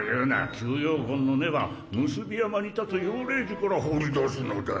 吸妖魂の根は産霊山に立つ妖霊樹から掘り出すのだ。